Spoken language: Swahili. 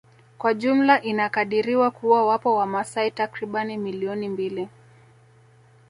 Kwa jumla inakadiriwa kuwa wapo wamasai takribani milioni mbili